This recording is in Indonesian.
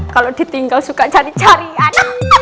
kalau ditinggal suka cari carian